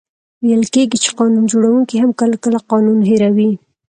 ویل کېږي چي قانون جوړونکې هم کله، کله قانون هېروي.